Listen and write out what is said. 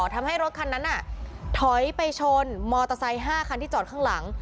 ทำให้รถคันนั้นถอยไปชนมอเตอร์ไซค์๕คันที่จอดข้างหลัง